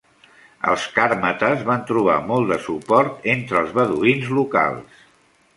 Els càrmates van trobar molt de suport entre els beduïns locals.